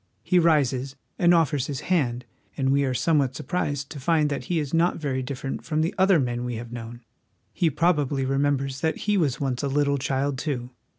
He rises and offers his hand, and we are somewhat surprised to find that he is not very different from the other men we have known. He probably remembers that he was once a little child, too.